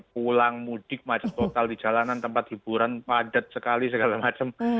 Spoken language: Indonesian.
pulang mudik macet total di jalanan tempat hiburan padat sekali segala macam